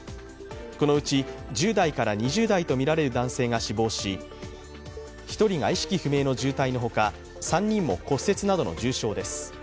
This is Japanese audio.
このうち１０代から２０代とみられる男性が死亡し１人が意識不明の重体のほか３人が骨折などの重傷です。